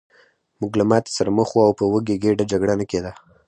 موږ له ماتې سره مخ وو او په وږې ګېډه جګړه نه کېده